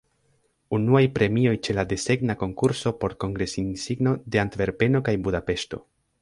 Unuaj premioj ĉe la desegna konkurso por kongres-insigno de Antverpeno kaj Budapeŝto.